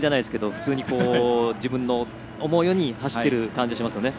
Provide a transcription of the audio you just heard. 普通に自分の思うように走っている感じがしますね。